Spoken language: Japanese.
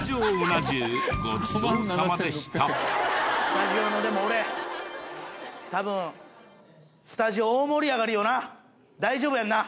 スタジオのでも俺多分スタジオ大盛り上がりよな？